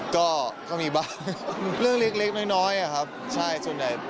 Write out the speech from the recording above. ก็ก็มีบ้างเรื่องเล็กน้อยอะครับใช่ส่วนใหญ่